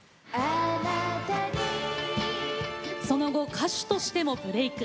その後、歌手としてもブレーク。